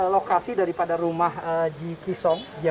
lokasi daripada rumah ji kisong